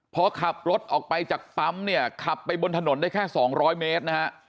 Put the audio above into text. พอขับรถออกไปจากปั๊มขับไปบนถนนได้แค่๒๐๐เมตร